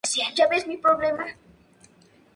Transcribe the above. Es la cuarta temporada de la serie "Strike Back".